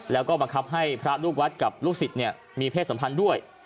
แล้วก็บังคับให้พระลูกวัดกับลูกศิษย์มีเพศสัมพันธ์ด้วย